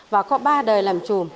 và có ba đời làm trùm